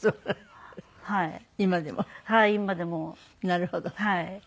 なるほど。